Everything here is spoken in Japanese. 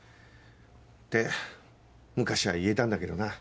って昔は言えたんだけどな。